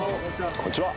こんにちは。